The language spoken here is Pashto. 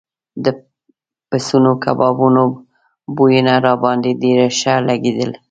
د پسونو کبابو بویونه راباندې ډېر ښه لګېدل.